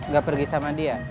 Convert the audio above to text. gak pergi sama dia